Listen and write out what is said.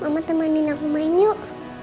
sama temenin aku main yuk